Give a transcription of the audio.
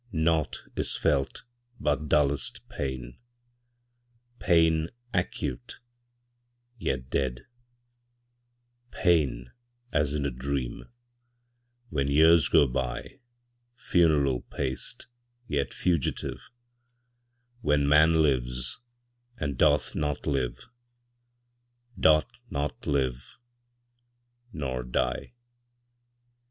Naught is felt but dullest pain, Pain acute, yet dead; Pain as in a dream, When years go byFuneral paced, yet fugitive, When man lives, and doth not live, Doth not live—nor die.